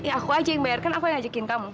aku aja yang bayar kan aku yang ajakin kamu